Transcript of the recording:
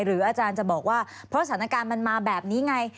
อาจารย์จะบอกว่าเพราะสถานการณ์มันมาแบบนี้ไง